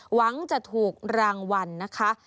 หวังจะถูกรางวัลนะคะ